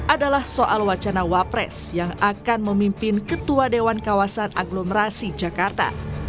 adalah soal wacana wapres yang akan memimpin ketua dewan kawasan aglomerasi jakarta